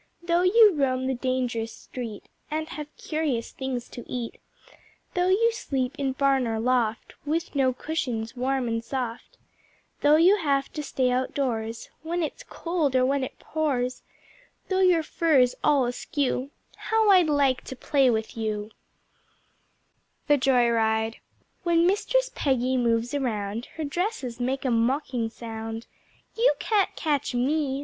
Though you roam the dangerous street, And have curious things to eat, Though you sleep in barn or loft, With no cushions warm and soft, Though you have to stay out doors When it's cold or when it pours, Though your fur is all askew How I'd like to play with you! The Joy Ride When Mistress Peggy moves around, Her dresses make a mocking sound. "You can't catch me!"